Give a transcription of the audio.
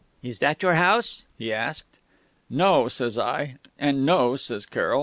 "'Is it that, your house?' he asked. "'No,' says I, and 'No,' says Carroll ...